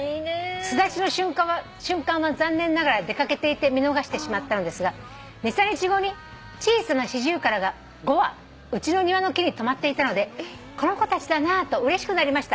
「巣立ちの瞬間は残念ながら出掛けていて見逃してしまったのですが２３日後に小さなシジュウカラが５羽うちの庭の木に止まっていたのでこの子たちだなとうれしくなりました」